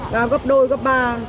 cao gấp đôi gấp ba